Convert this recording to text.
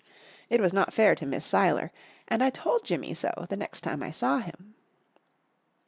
It was not fair to Miss Seiler, and I told Jimmy so the next time I saw him.